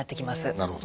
なるほど。